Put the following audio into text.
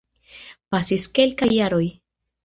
Pasis kelkaj jaroj.